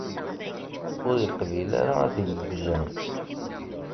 Ur yeqbil ad t-ggzen.